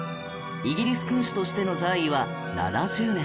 イギリス君主としての在位は７０年